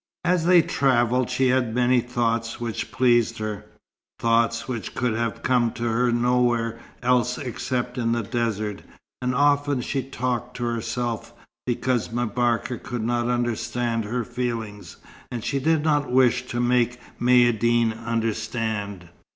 As they travelled, she had many thoughts which pleased her thoughts which could have come to her nowhere else except in the desert, and often she talked to herself, because M'Barka could not understand her feelings, and she did not wish to make Maïeddine understand.